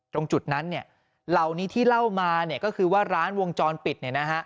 ตรงจุดนั้นเหล่านี้ที่เล่ามาเนี่ยก็คือว่าร้านวงจรปิด